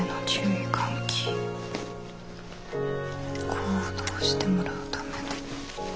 行動してもらうための。